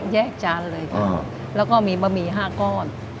แยกจานเลยค่ะแล้วก็มีบะหมี่๕ก้อน